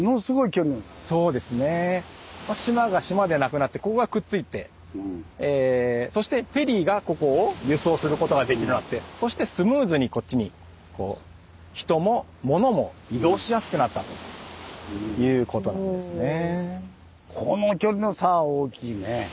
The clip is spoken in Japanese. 島が島でなくなってここがくっついてそしてフェリーがここを輸送することができるようになってそしてスムーズにこっちに人も物も移動しやすくなったということなんですね。